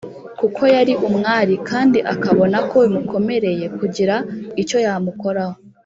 kuko yari umwari kandi abona ko bimukomereye kugira icyo yamukoraho.